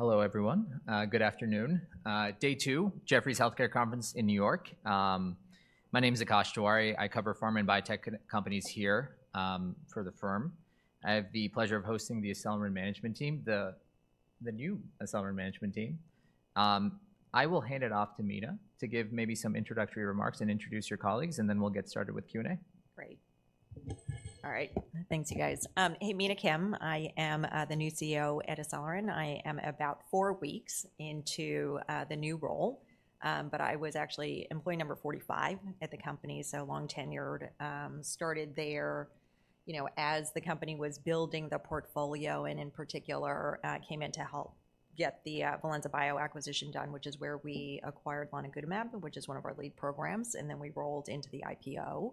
Hello, everyone. Good afternoon. Day two, Jefferies Healthcare Conference in New York. My name is Akash Tewari. I cover pharma and biotech companies here for the firm. I have the pleasure of hosting the Acelyrin Management team, the new Acelyrin Management team. I will hand it off to Mina to give maybe some introductory remarks and introduce your colleagues, and then we'll get started with Q&A. Great. All right. Thanks, you guys. Hey, Mina Kim. I am the new CEO at Acelyrin, and I am about four weeks into the new role. But I was actually employee number 45 at the company, so long-tenured. Started there, you know, as the company was building the portfolio, and in particular, came in to help get the ValenzaBio acquisition done, which is where we acquired lonigutamab, which is one of our lead programs, and then we rolled into the IPO.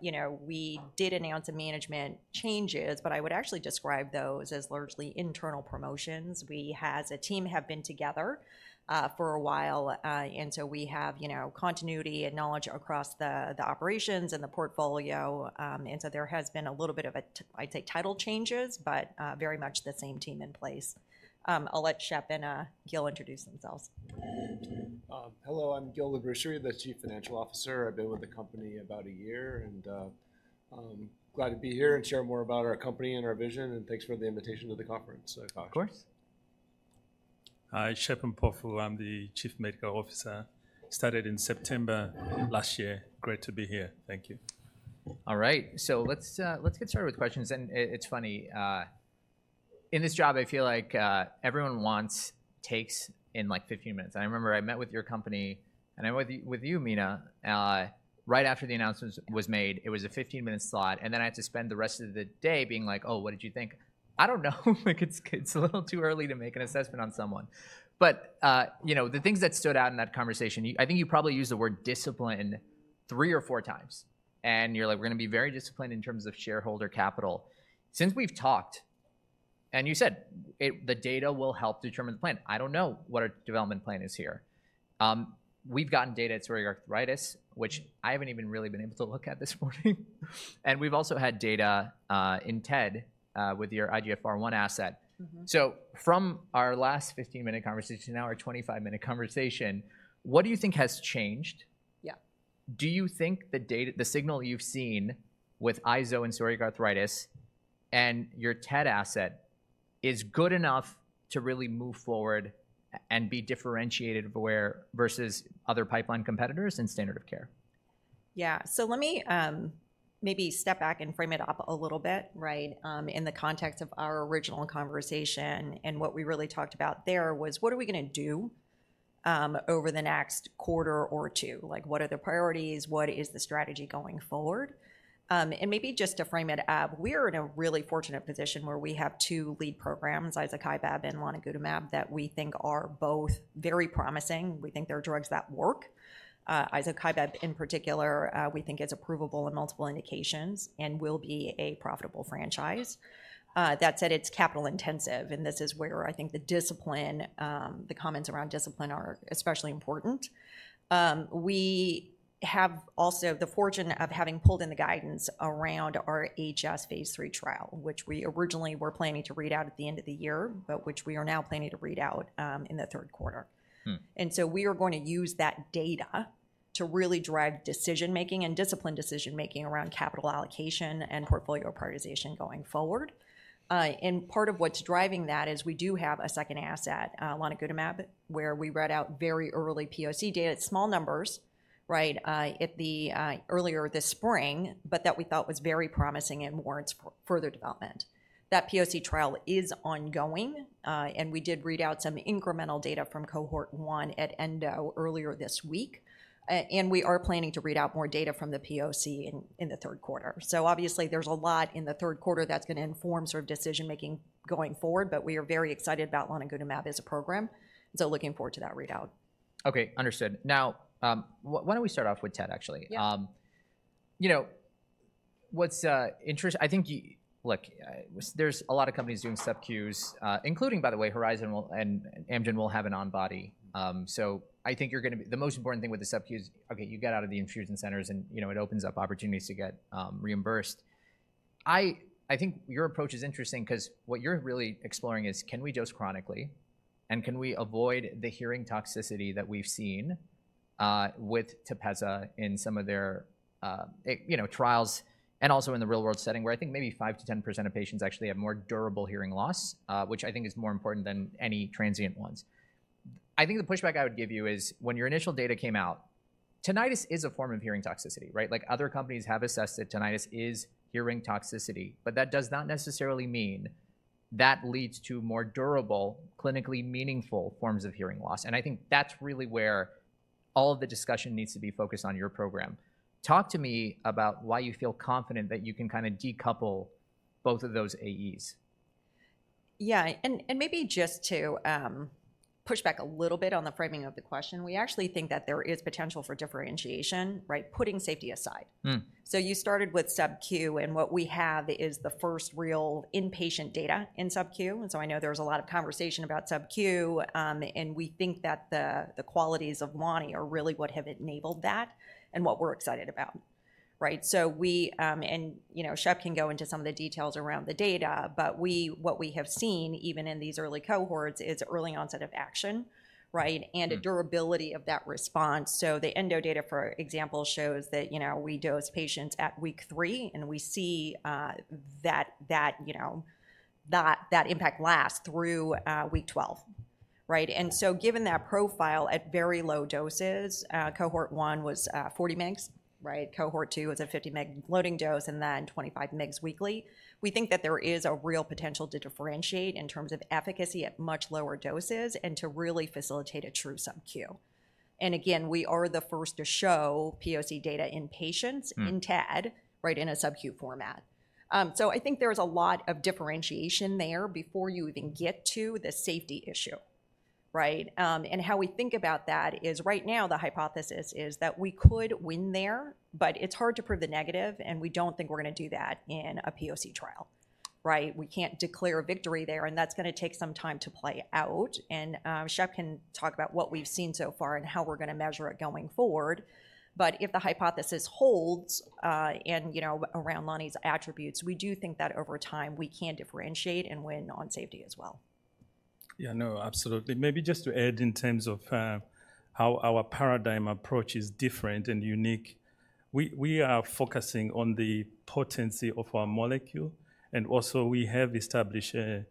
You know, we did announce some management changes, but I would actually describe those as largely internal promotions. We, as a team, have been together for a while, and so we have, you know, continuity and knowledge across the operations and the portfolio. And so there has been a little bit of a title change, I'd say, but very much the same team in place. I'll let Shep and Gil introduce themselves. Hello, I'm Gil Labrucherie, the Chief Financial Officer. I've been with the company about a year, and I'm glad to be here and share more about our company and our vision, and thanks for the invitation to the conference, Akash. Of course. Hi, Shephard Mpofu. I'm the Chief Medical Officer. Started in September last year. Great to be here. Thank you. All right, so let's get started with questions, and it's funny, in this job, I feel like everyone wants takes in, like, 15 minutes. I remember I met with your company, and I met with you, Mina, right after the announcement was made. It was a 15-minute slot, and then I had to spend the rest of the day being like: Oh, what did you think? I don't know, like, it's a little too early to make an assessment on someone. But you know, the things that stood out in that conversation, I think you probably used the word discipline 3 or 4 times, and you're like: We're gonna be very disciplined in terms of shareholder capital. Since we've talked, and you said, "The data will help determine the plan," I don't know what our development plan is here. We've gotten data, it's psoriatic arthritis, which I haven't even really been able to look at this morning. We've also had data in TED with your IGF-1R asset. Mm-hmm. From our last 15-minute conversation to now our 25-minute conversation, what do you think has changed? Yeah. Do you think the data, the signal you've seen with izokibep and psoriatic arthritis and your TED asset is good enough to really move forward and be differentiated versus other pipeline competitors and standard of care? Yeah. So let me, maybe step back and frame it up a little bit, right? In the context of our original conversation, and what we really talked about there was, what are we gonna do, over the next quarter or two? Like, what are the priorities? What is the strategy going forward? And maybe just to frame it up, we're in a really fortunate position where we have two lead programs, izokibep and lonigutamab, that we think are both very promising. We think they're drugs that work. izokibep, in particular, we think is approvable in multiple indications and will be a profitable franchise. That said, it's capital intensive, and this is where I think the discipline, the comments around discipline are especially important. We have also the fortune of having pulled in the guidance around our HS phase III trial, which we originally were planning to read out at the end of the year, but which we are now planning to read out in the third quarter. Hmm. And so we are going to use that data to really drive decision-making and disciplined decision-making around capital allocation and portfolio prioritization going forward. And part of what's driving that is we do have a second asset, lonigutamab, where we read out very early POC data, small numbers, right, at ENDO earlier this spring, but that we thought was very promising and warrants further development. That POC trial is ongoing, and we did read out some incremental data from cohort one at ENDO earlier this week, and we are planning to read out more data from the POC in the third quarter. So obviously, there's a lot in the third quarter that's gonna inform sort of decision-making going forward, but we are very excited about lonigutamab as a program, so looking forward to that readout. Okay, understood. Now, why don't we start off with TED, actually? Yeah. You know, what's interesting... I think, look, there's a lot of companies doing sub-Qs, including, by the way, Horizon will, and Amgen will have an on-body. So I think you're gonna be the most important thing with the sub-Qs, okay, you got out of the infusion centers, and, you know, it opens up opportunities to get reimbursed. I think your approach is interesting 'cause what you're really exploring is, can we dose chronically, and can we avoid the hearing toxicity that we've seen with Tepezza in some of their, you know, trials and also in the real-world setting where I think maybe 5%-10% of patients actually have more durable hearing loss, which I think is more important than any transient ones. I think the pushback I would give you is, when your initial data came out, tinnitus is a form of hearing toxicity, right? Like, other companies have assessed that tinnitus is hearing toxicity, but that does not necessarily mean that leads to more durable, clinically meaningful forms of hearing loss, and I think that's really where all of the discussion needs to be focused on your program. Talk to me about why you feel confident that you can kinda decouple both of those AEs?... Yeah, and maybe just to push back a little bit on the framing of the question, we actually think that there is potential for differentiation, right? Putting safety aside. Hmm. So you started with sub-Q, and what we have is the first real in patient data in sub-Q. And so I know there was a lot of conversation about sub-Q, and we think that the qualities of Loni are really what have enabled that and what we're excited about, right? So we, you know, Shep can go into some of the details around the data, but what we have seen, even in these early cohorts, is early onset of action, right? Hmm. A durability of that response. So the ENDO data, for example, shows that, you know, we dose patients at week 3, and we see that, you know, that impact lasts through week 12, right? And so given that profile at very low doses, cohort 1 was 40 mg, right? Cohort 2 was a 50 mg loading dose, and then 25 mg weekly. We think that there is a real potential to differentiate in terms of efficacy at much lower doses and to really facilitate a true sub-Q. And again, we are the first to show POC data in patients- Hmm. - in TED, right, in a sub-Q format. So I think there is a lot of differentiation there before you even get to the safety issue, right? And how we think about that is, right now, the hypothesis is that we could win there, but it's hard to prove the negative, and we don't think we're gonna do that in a POC trial, right? We can't declare a victory there, and that's gonna take some time to play out. And Shep can talk about what we've seen so far and how we're gonna measure it going forward. But if the hypothesis holds, and you know, around Loni's attributes, we do think that over time we can differentiate and win on safety as well. Yeah, no, absolutely. Maybe just to add in terms of how our paradigm approach is different and unique, we are focusing on the potency of our molecule, and also we have established an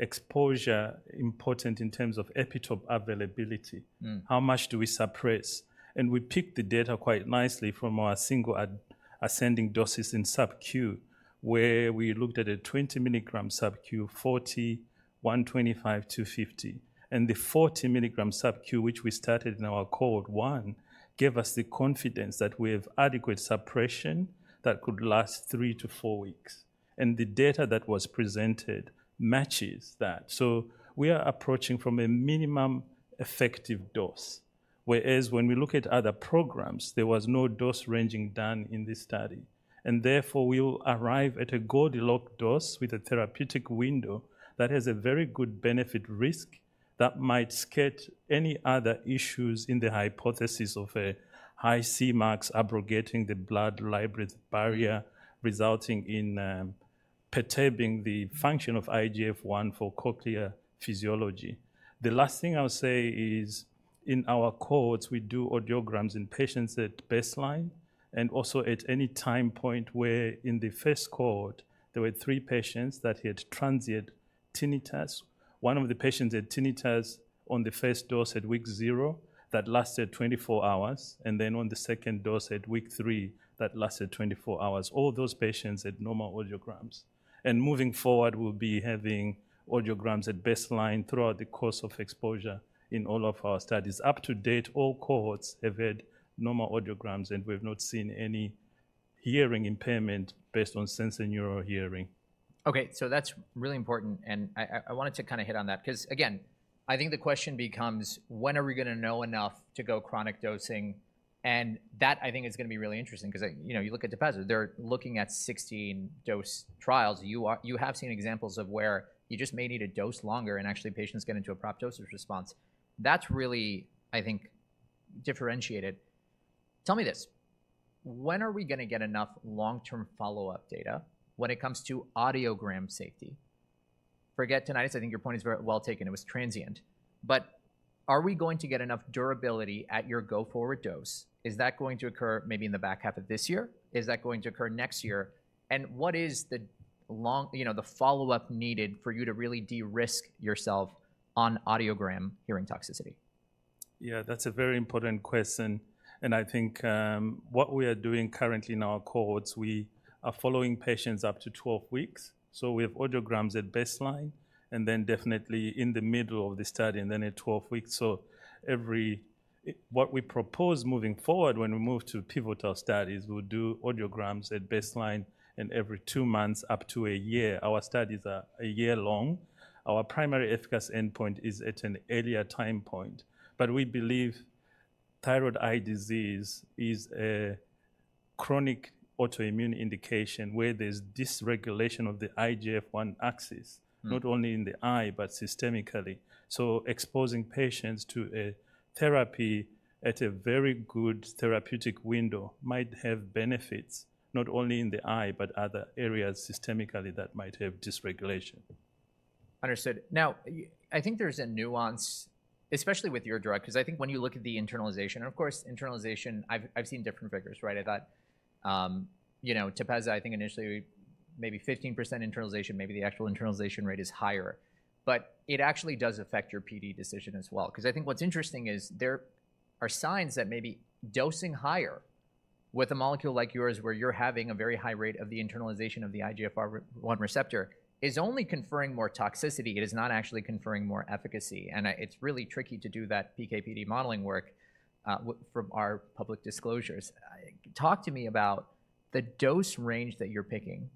exposure important in terms of epitope availability. Hmm. How much do we suppress? We picked the data quite nicely from our single ascending doses in sub-Q, where we looked at a 20-mg sub-Q, 40, 125 to 50. The 40-mg sub-Q, which we started in our cohort one, gave us the confidence that we have adequate suppression that could last three to four weeks, and the data that was presented matches that. So we are approaching from a minimum effective dose, whereas when we look at other programs, there was no dose ranging done in this study, and therefore we will arrive at a Goldilocks dose with a therapeutic window that has a very good benefit risk that might skirt any other issues in the hypothesis of a high Cmax abrogating the blood-labyrinth barrier, resulting in perturbing the function of IGF-1 for cochlear physiology. The last thing I'll say is, in our cohorts, we do audiograms in patients at baseline and also at any time point where in the first cohort, there were 3 patients that had transient tinnitus. One of the patients had tinnitus on the first dose at week 0 that lasted 24 hours, and then on the second dose at week 3, that lasted 24 hours. All those patients had normal audiograms. Moving forward, we'll be having audiograms at baseline throughout the course of exposure in all of our studies. Up to date, all cohorts have had normal audiograms, and we've not seen any hearing impairment based on sensorineural hearing. Okay, so that's really important, and I wanted to kind of hit on that because, again, I think the question becomes: when are we gonna know enough to go chronic dosing? And that, I think, is gonna be really interesting because, you know, you look at Tepezza, they're looking at 16 dose trials. You are-- you have seen examples of where you just may need to dose longer, and actually, patients get into a proper dosage response. That's really, I think, differentiated. Tell me this: When are we gonna get enough long-term follow-up data when it comes to audiogram safety? Forget tinnitus. I think your point is very well taken. It was transient. But are we going to get enough durability at your go-forward dose? Is that going to occur maybe in the back half of this year? Is that going to occur next year? What is, you know, the follow-up needed for you to really de-risk yourself on audiogram hearing toxicity? Yeah, that's a very important question, and I think, what we are doing currently in our cohorts, we are following patients up to 12 weeks. So we have audiograms at baseline, and then definitely in the middle of the study, and then at 12 weeks. So what we propose moving forward when we move to pivotal studies, we'll do audiograms at baseline and every two months up to a year. Our studies are a year long. Our primary efficacy endpoint is at an earlier time point, but we believe thyroid eye disease is a chronic autoimmune indication where there's dysregulation of the IGF-1 axis- Hmm... not only in the eye, but systemically. So exposing patients to a therapy at a very good therapeutic window might have benefits not only in the eye but other areas systemically that might have dysregulation. Understood. Now, I think there's a nuance, especially with your drug, because I think when you look at the internalization... and of course, internalization, I've seen different figures, right? I thought, you know, Tepezza, I think initially maybe 15% internalization, maybe the actual internalization rate is higher, but it actually does affect your PD decision as well. Because I think what's interesting is there are signs that maybe dosing higher with a molecule like yours, where you're having a very high rate of the internalization of the IGF-1R receptor, is only conferring more toxicity. It is not actually conferring more efficacy, and it's really tricky to do that PK/PD modeling work from our public disclosures. Talk to me about the dose range that you're picking?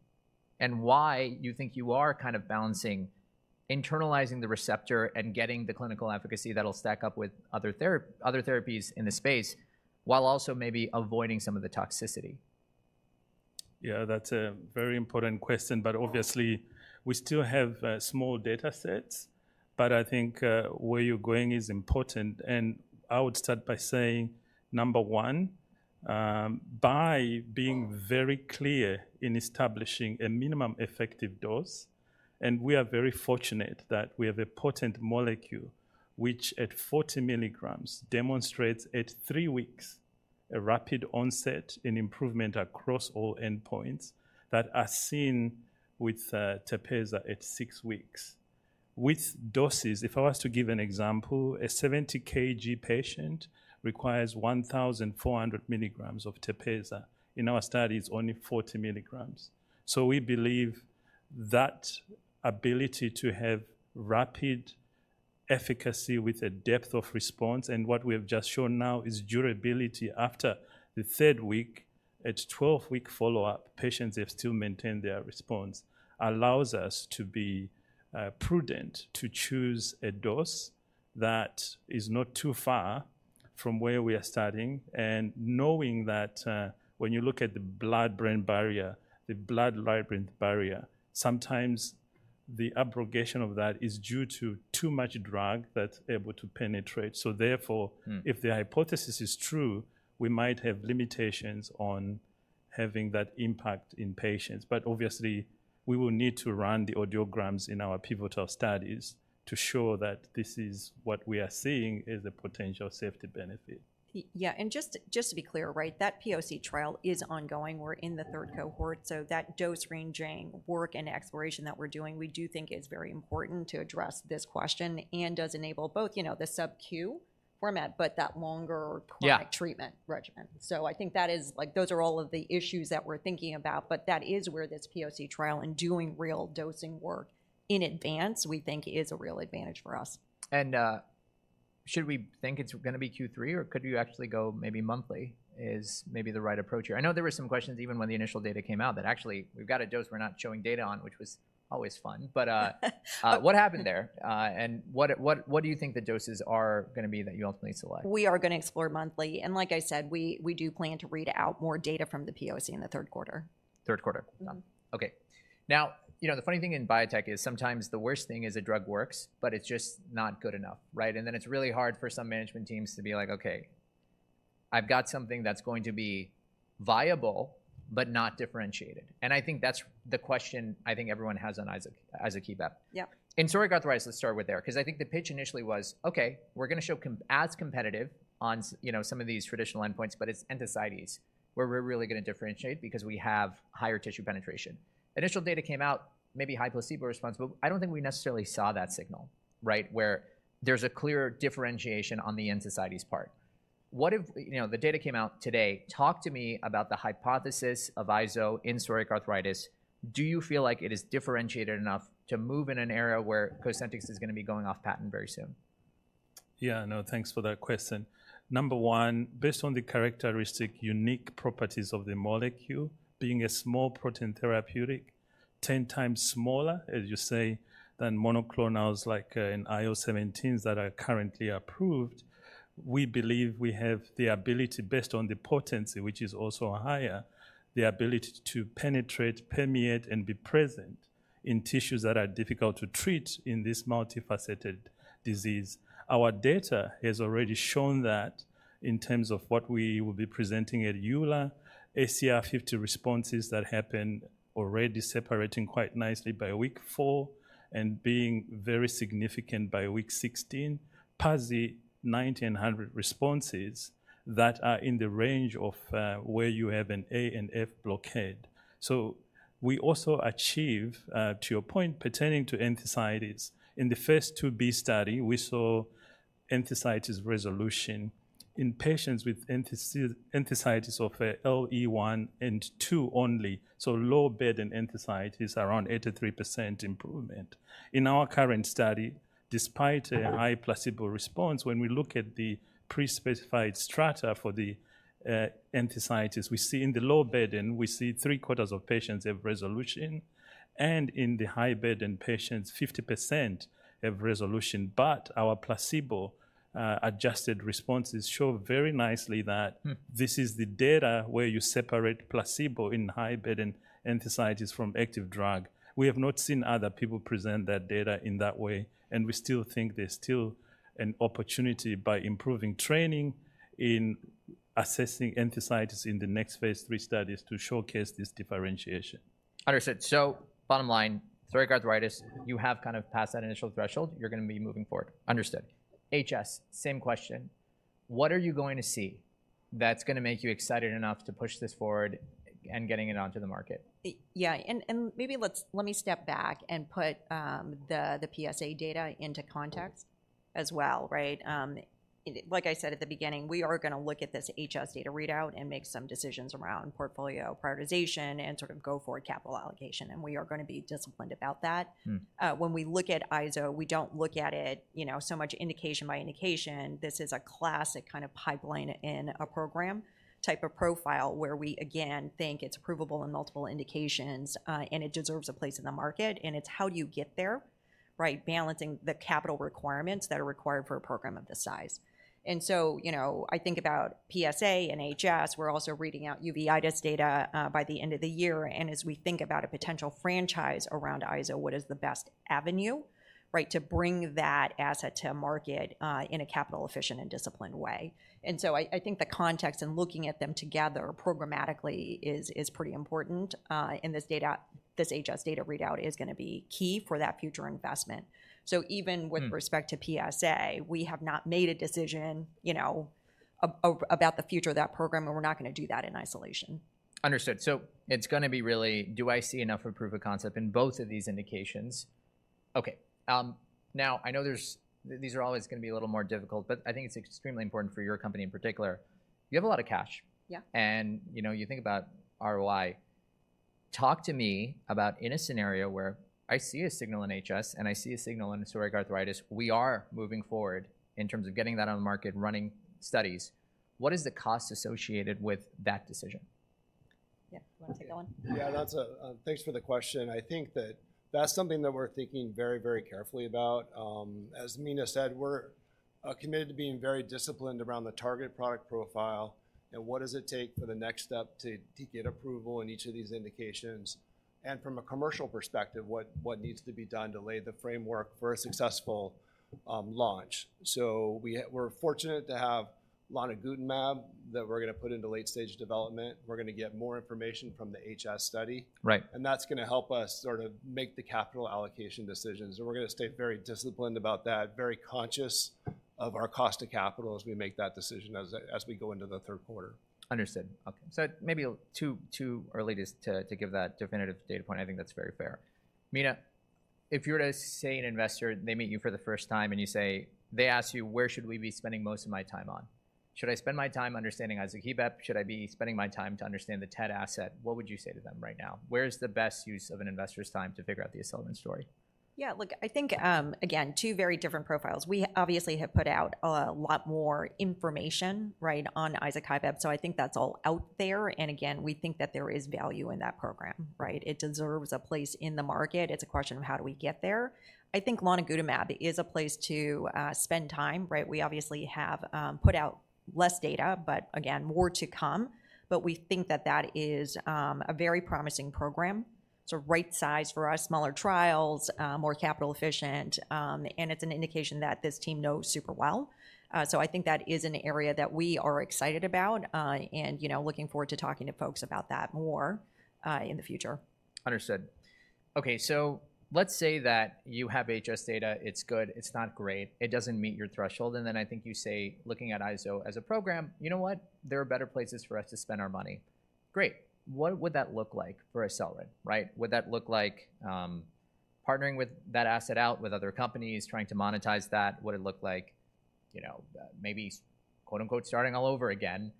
Why you think you are kind of balancing internalizing the receptor and getting the clinical efficacy that'll stack up with other therapies in the space, while also maybe avoiding some of the toxicity? Yeah, that's a very important question, but obviously, we still have small data sets. But I think where you're going is important, and I would start by saying, number 1, by being very clear in establishing a minimum effective dose, and we are very fortunate that we have a potent molecule, which at 40 milligrams, demonstrates at 3 weeks, a rapid onset in improvement across all endpoints that are seen with Tepezza at six weeks. With doses, if I was to give an example, a 70-kg patient requires 1,400 milligrams of Tepezza. In our study, it's only 40 milligrams. So we believe that ability to have rapid efficacy with a depth of response, and what we have just shown now is durability after the 3rd week. At 12-week follow-up, patients have still maintained their response, allows us to be prudent to choose a dose that is not too far from where we are starting. And knowing that, when you look at the blood-brain barrier, the blood-labyrinth barrier, sometimes the abrogation of that is due to too much drug that's able to penetrate. So therefore- Mm. If the hypothesis is true, we might have limitations on having that impact in patients, but obviously, we will need to run the audiograms in our pivotal studies to show that this is what we are seeing is a potential safety benefit. Yeah, and just to be clear, right? That POC trial is ongoing. We're in the third cohort. Mm-hmm. So that dose-ranging work and exploration that we're doing, we do think is very important to address this question and does enable both, you know, the subQ format, but that longer- Yeah... chronic treatment regimen. So I think that is, like, those are all of the issues that we're thinking about, but that is where this POC trial and doing real dosing work in advance, we think is a real advantage for us. And, should we think it's gonna be Q3, or could you actually go maybe monthly is maybe the right approach here? I know there were some questions, even when the initial data came out, that actually, we've got a dose we're not showing data on, which was always fun. But, what happened there? And what, what, what do you think the doses are gonna be that you ultimately select? We are gonna explore monthly, and like I said, we do plan to read out more data from the POC in the third quarter. Third quarter? Mm-hmm. Okay. Now, you know, the funny thing in biotech is sometimes the worst thing is a drug works, but it's just not good enough, right? And then it's really hard for some management teams to be like, "Okay, I've got something that's going to be viable but not differentiated." And I think that's the question I think everyone has on izokibep. Yep. In psoriatic arthritis, let's start with there, 'cause I think the pitch initially was, "Okay, we're gonna show comparable as competitive on some you know, some of these traditional endpoints, but it's enthesitis, where we're really gonna differentiate because we have higher tissue penetration." Initial data came out, maybe high placebo response, but I don't think we necessarily saw that signal, right, where there's a clear differentiation on the enthesitis part. What if, you know, the data came out today, talk to me about the hypothesis of iso in psoriatic arthritis. Do you feel like it is differentiated enough to move in an era where Cosentyx is gonna be going off patent very soon? Yeah, no, thanks for that question. Number one, based on the characteristic unique properties of the molecule, being a small protein therapeutic, 10 times smaller, as you say, than monoclonals like in IL-17s that are currently approved, we believe we have the ability, based on the potency, which is also higher, the ability to penetrate, permeate, and be present in tissues that are difficult to treat in this multifaceted disease. Our data has already shown that in terms of what we will be presenting at EULAR, ACR 50 responses that happened already separating quite nicely by week 4 and being very significant by week 16, PASI 90 and 100 responses that are in the range of where you have an TNF blockade. So we also achieve, to your point, pertaining to enthesitis, in the first 2B study, we saw enthesitis resolution in patients with enthesitis of LE 1 and 2 only, so low burden enthesitis, around 83% improvement. In our current study, despite a high placebo response, when we look at the pre-specified strata for the enthesitis, we see in the low burden, we see three-quarters of patients have resolution, and in the high-burden patients, 50% have resolution. But our placebo adjusted responses show very nicely that- Hmm... this is the data where you separate placebo in high-burden enthesitis from active drug. We have not seen other people present that data in that way, and we still think there's still an opportunity by improving training in assessing enthesitis in the next phase III studies to showcase this differentiation. Understood. So bottom line, psoriatic arthritis, you have kind of passed that initial threshold. You're gonna be moving forward. Understood. HS, same question. What are you going to see?... That's gonna make you excited enough to push this forward and getting it onto the market? Yeah, and maybe let me step back and put the PsA data into context as well, right? Like I said at the beginning, we are gonna look at this HS data readout and make some decisions around portfolio prioritization and sort of go forward capital allocation, and we are gonna be disciplined about that. Hmm. When we look at iso, we don't look at it, you know, so much indication by indication. This is a classic kind of pipeline in a program type of profile, where we, again, think it's approvable in multiple indications, and it deserves a place in the market, and it's how do you get there, right? Balancing the capital requirements that are required for a program of this size. And so, you know, I think about PsA and HS. We're also reading out uveitis data by the end of the year, and as we think about a potential franchise around iso, what is the best avenue, right, to bring that asset to market in a capital efficient and disciplined way? And so I think the context in looking at them together programmatically is pretty important. And this data, this HS data readout is gonna be key for that future investment. So even- Hmm... with respect to PsA, we have not made a decision, you know, about the future of that program, and we're not gonna do that in isolation. Understood. So it's gonna be really, do I see enough of proof of concept in both of these indications? Okay. Now, I know these are always gonna be a little more difficult, but I think it's extremely important for your company in particular. You have a lot of cash. Yeah. You know, you think about ROI. Talk to me about in a scenario where I see a signal in HS, and I see a signal in psoriatic arthritis, we are moving forward in terms of getting that on the market, running studies. What is the cost associated with that decision? Yeah, you wanna take that one? Yeah, that's a... Thanks for the question. I think that's something that we're thinking very, very carefully about. As Mina said, we're committed to being very disciplined around the target product profile, and what does it take for the next step to get approval in each of these indications, and from a commercial perspective, what needs to be done to lay the framework for a successful launch? So we're fortunate to have lonigutamab that we're gonna put into late-stage development. We're gonna get more information from the HS study- Right. And that's gonna help us sort of make the capital allocation decisions, and we're gonna stay very disciplined about that, very conscious of our cost of capital as we make that decision, as we go into the third quarter. Understood. Okay, so maybe a little too early to give that definitive data point. I think that's very fair. Mina, if you were to say an investor, they meet you for the first time, and you say, they ask you, "Where should we be spending most of my time on? Should I spend my time understanding izokibep? Should I be spending my time to understand the TED asset?" What would you say to them right now? Where's the best use of an investor's time to figure out the Acelyrin story? Yeah, look, I think, again, two very different profiles. We obviously have put out a lot more information, right, on izokibep, so I think that's all out there, and again, we think that there is value in that program, right? It deserves a place in the market. It's a question of: How do we get there? I think lonigutamab is a place to, spend time, right? We obviously have, put out less data, but again, more to come. But we think that that is, a very promising program. It's the right size for us, smaller trials, more capital efficient, and it's an indication that this team knows super well. So I think that is an area that we are excited about, and, you know, looking forward to talking to folks about that more, in the future. Understood. Okay, so let's say that you have HS data. It's good. It's not great. It doesn't meet your threshold, and then I think you say, looking at izokibep as a program, "You know what? There are better places for us to spend our money." Great. What would that look like for Acelyrin, right? Would that look like partnering with that asset out with other companies, trying to monetize that? Would it look like, you know, maybe, quote, unquote, "starting all over again,"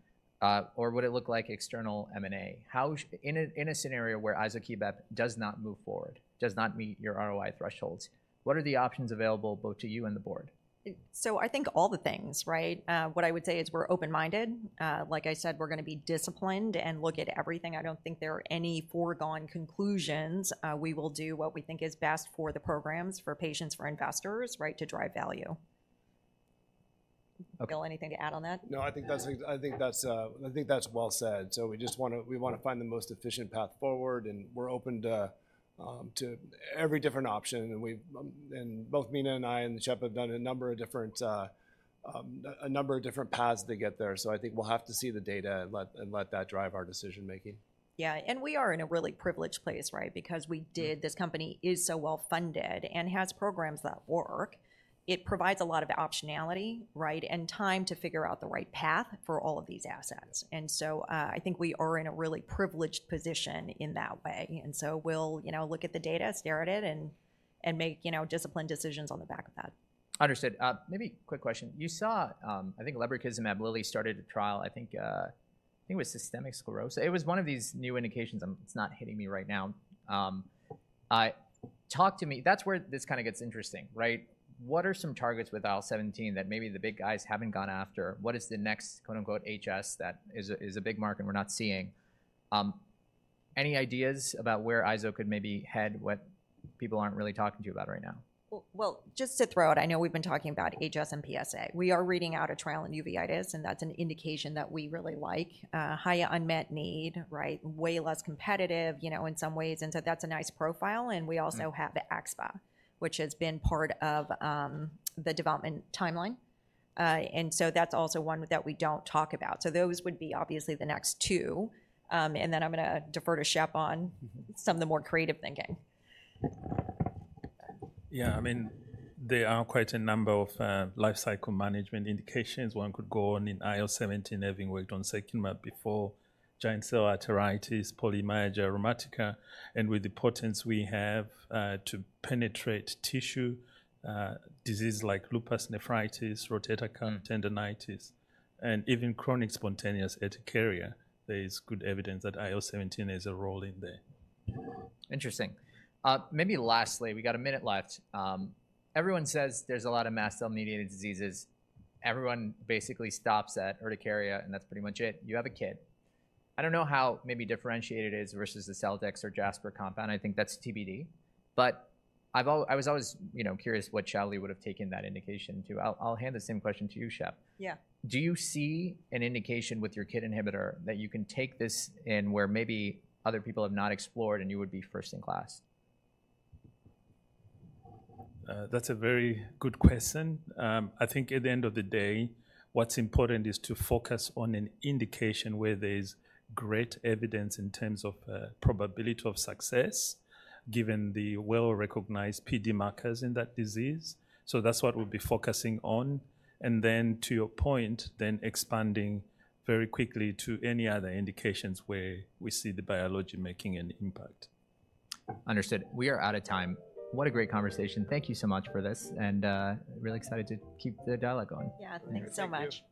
or would it look like external M&A? How, in a scenario where izokibep does not move forward, does not meet your ROI thresholds, what are the options available both to you and the board? So I think all the things, right? What I would say is we're open-minded. Like I said, we're gonna be disciplined and look at everything. I don't think there are any foregone conclusions. We will do what we think is best for the programs, for patients, for investors, right, to drive value. Okay. Gil, anything to add on that? No, I think that's well said. So we just wanna find the most efficient path forward, and we're open to every different option, and both Mina and I, and Shep have done a number of different paths to get there. So I think we'll have to see the data and let that drive our decision-making. Yeah, and we are in a really privileged place, right? Because we did- Hmm... this company is so well-funded and has programs that work. It provides a lot of optionality, right, and time to figure out the right path for all of these assets, and so, I think we are in a really privileged position in that way, and so we'll, you know, look at the data, stare at it, and make, you know, disciplined decisions on the back of that. Understood. Maybe a quick question. You saw, I think lebrikizumab, Lilly started a trial, I think, I think it was systemic sclerosis. It was one of these new indications. It's not hitting me right now. Talk to me... That's where this kind of gets interesting, right? What are some targets with IL-17 that maybe the big guys haven't gone after? What is the next, quote, unquote, "HS" that is a, is a big market we're not seeing? Any ideas about where izokibep could maybe head, what people aren't really talking to you about right now? Well, well, just to throw out, I know we've been talking about HS and PsA. We are reading out a trial in uveitis, and that's an indication that we really like. High unmet need, right? Way less competitive, you know, in some ways, and so that's a nice profile, and we also- Hmm... have the axSpA, which has been part of, the development timeline. And so that's also one that we don't talk about. So those would be obviously the next two, and then I'm gonna defer to Shep on- Mm-hmm... some of the more creative thinking. Yeah, I mean, there are quite a number of life cycle management indications. One could go on in IL-17, having worked on secukinumab before, giant cell arteritis, polymyalgia rheumatica, and with the potency we have to penetrate tissue, diseases like lupus nephritis, rotator cuff tendonitis, and even chronic spontaneous urticaria. There is good evidence that IL-17 has a role in there. Interesting. Maybe lastly, we got a minute left. Everyone says there's a lot of mast cell-mediated diseases. Everyone basically stops at urticaria, and that's pretty much it. You have a KIT. I don't know how maybe differentiated it is versus the Celldex or Jasper compound. I think that's TBD, but I was always, you know, curious what Shao-Lee would've taken that indication to. I'll hand the same question to you, Shep. Yeah. Do you see an indication with your KIT inhibitor that you can take this in where maybe other people have not explored, and you would be first in class? That's a very good question. I think at the end of the day, what's important is to focus on an indication where there's great evidence in terms of probability of success, given the well-recognized PD markers in that disease. So that's what we'll be focusing on, and then to your point, then expanding very quickly to any other indications where we see the biology making an impact. Understood. We are out of time. What a great conversation. Thank you so much for this, and really excited to keep the dialogue going. Yeah. Thanks so much.